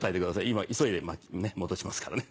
今急いで戻しますからね。